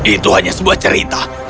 itu hanya sebuah cerita